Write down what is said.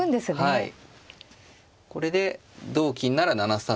はい。